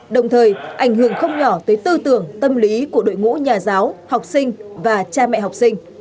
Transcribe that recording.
đồng thời ảnh hưởng không nhỏ tới tư tưởng tâm lý của đội ngũ nhà giáo học sinh và cha mẹ học sinh